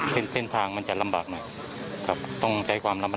เส้นทางมันจะลำบากหน่อยครับต้องใช้ความระมัดระวัง